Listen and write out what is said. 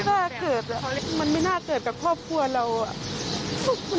ไม่น่าเกิดมันไม่น่าเกิดกับข้อพัวเรา